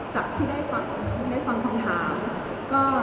จากที่ได้ฟังคำถาม